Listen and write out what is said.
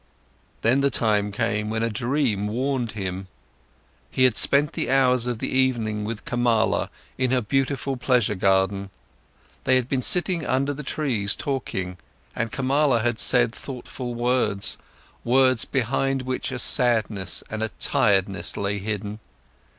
Then the time came when a dream warned him. He had spent the hours of the evening with Kamala, in her beautiful pleasure garden. They had been sitting under the trees, talking, and Kamala had said thoughtful words, words behind which a sadness and tiredness lay hidden.